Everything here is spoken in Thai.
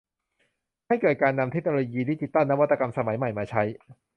ให้เกิดการนำเทคโนโลยีดิจิทัลนวัตกรรมสมัยใหม่มาใช้